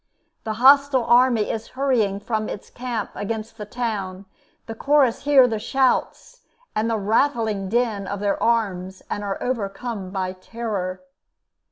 The hostile army is hurrying from its camp against the town; the Chorus hear their shouts and the rattling din of their arms, and are overcome by terror.